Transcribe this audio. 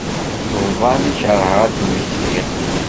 D uḍan i kerheɣ ad d-mmektiɣ.